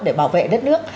để bảo vệ đất nước